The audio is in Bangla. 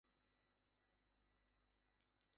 ও এসে পড়বে।